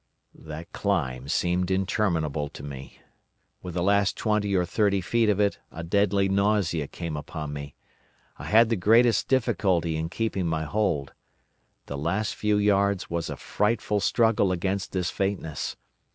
"That climb seemed interminable to me. With the last twenty or thirty feet of it a deadly nausea came upon me. I had the greatest difficulty in keeping my hold. The last few yards was a frightful struggle against this faintness.